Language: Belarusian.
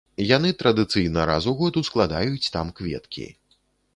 Яны традыцыйна раз у год ускладаюць там кветкі.